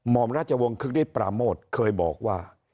อมราชวงศ์คึกฤทธปราโมทเคยบอกว่า